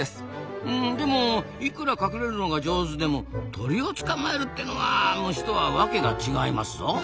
でもいくら隠れるのが上手でも鳥を捕まえるってのは虫とはワケが違いますぞ。